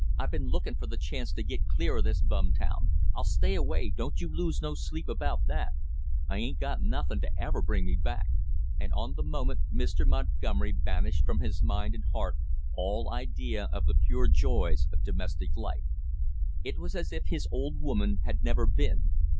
"I been lookin' for the chance to get clear of this bum town! I'll stay away, don't you lose no sleep about that; I ain't got nothin' to ever bring me back." And on the moment Mr. Montgomery banished from his mind and heart all idea of the pure joys of domestic life. It was as if his old woman had never been.